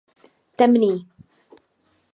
Temný.